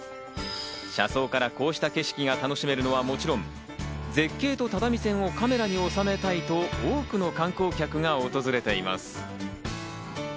車窓からこうした景色が楽しめるのはもちろん、絶景と只見線をカメラに収めたいと、多くの観光客が訪れています。